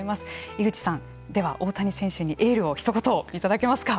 井口さんでは大谷選手にエールをひと言いただけますか。